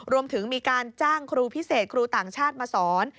รวมถึงมีการจ้างครูพิเศษครูต่างชาติมาสอน